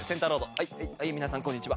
はい皆さんこんにちは。